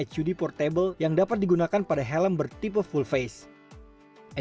nuvis mengembangkan piranti hud portable yang dapat digunakan pada helm bertipe full face